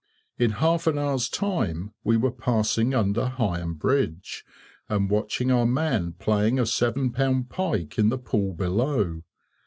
In half an hour's time we were passing under Heigham Bridge, and watching our man playing a seven pound pike in the pool below.